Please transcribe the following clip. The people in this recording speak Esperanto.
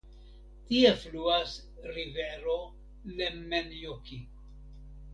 Tie fluas rivero Lemmenjoki.